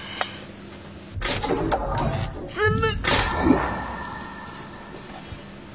包む！